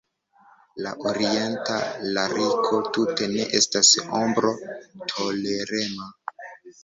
La orienta lariko tute ne estas ombro-tolerema.